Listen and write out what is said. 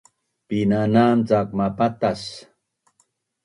Painanam cak mapatas